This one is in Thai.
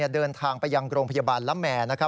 เดินทางไปยังโรงพยาบาลละแม่